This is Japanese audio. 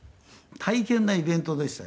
大変なイベントでしたよ